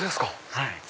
はい。